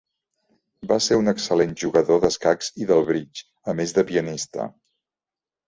Va ser un excel·lent jugador d'escacs i del bridge, a més de pianista.